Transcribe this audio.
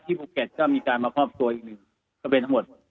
ภูเก็ตก็มีการมามอบตัวอีกหนึ่งก็เป็นทั้งหมด